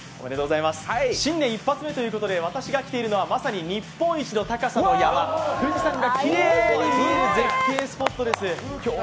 新年１発目ということで私が来ているのは、まさに日本一の高さの山、富士山がよく見える絶景スポットです。